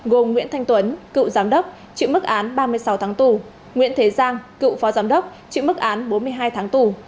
gồm nguyễn thanh tuấn cựu giám đốc chịu mức án ba mươi sáu tháng tù nguyễn thế giang cựu phó giám đốc chịu mức án bốn mươi hai tháng tù